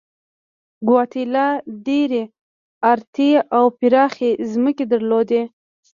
ګواتیلا ډېرې ارتې او پراخې ځمکې درلودلې.